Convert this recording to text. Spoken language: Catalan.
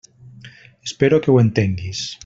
Espero que ho entenguis.